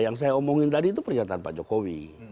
yang saya omongin tadi itu pernyataan pak jokowi